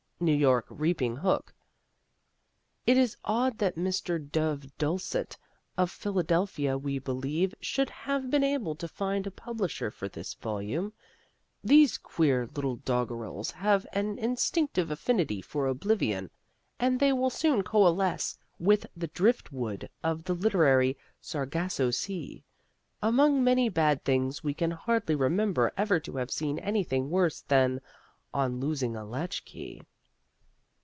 New York Reaping Hook: It is odd that Mr. Dove Dulcet, of Philadelphia we believe should have been able to find a publisher for this volume. These queer little doggerels have an instinctive affinity for oblivion, and they will soon coalesce with the driftwood of the literary Sargasso Sea. Among many bad things we can hardly remember ever to have seen anything worse than "On Losing a Latchkey."